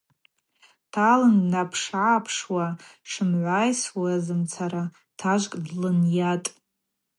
Дталын днапшыгӏапшуа дшымгӏвайсуазымцара тажвкӏ длынйатӏ.